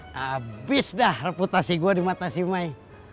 habis dah reputasi gua di mata si mai